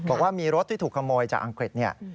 บอกว่ามีรถที่ถูกขโมยจากอังกฤษเนี่ย